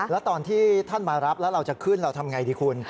แล้วตอนที่ท่านมารับแล้วเราจะขึ้นเราทำไงดีคุณ